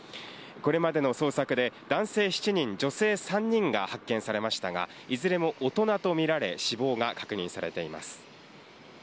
これまでの捜索で、男性７人、女性３人が発見されましたが、いずれも大人と見られ、死亡が確認されています。